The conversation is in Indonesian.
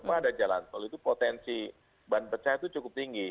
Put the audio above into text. kalau ada jalan tol itu potensi ban pecah itu cukup tinggi